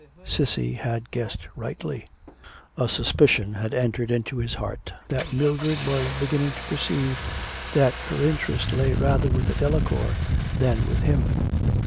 Cissy had guessed rightly. A suspicion had entered into his heart that Mildred was beginning to perceive that her interest lay rather with the Delacours than with him.